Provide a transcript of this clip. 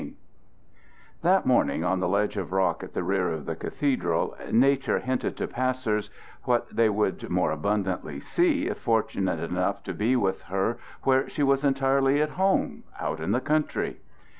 II That morning on the ledge of rock at the rear of the cathedral Nature hinted to passers what they would more abundantly see if fortunate enough to be with her where she was entirely at home out in the country.